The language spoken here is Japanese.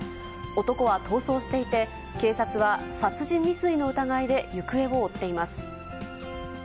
男は逃走していて、警察は殺人未遂の疑いで行方を追っています。